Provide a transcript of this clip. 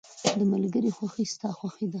• د ملګري خوښي ستا خوښي ده.